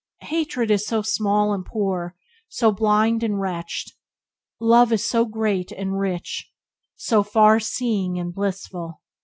Hatred is so small and poor, so blind and wretched. Love is so great and rich, so far seeing and blissful.